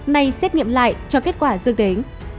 nay xét nghiệm lại cho kết quả dương tính